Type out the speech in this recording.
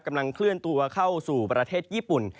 กำลังเคลื่อนตัวเข้าสู่ประเทศญี่ปุ่น